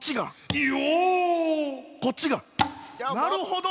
なるほど。